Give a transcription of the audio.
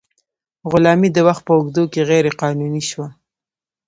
غلامي د وخت په اوږدو کې غیر قانوني شوه.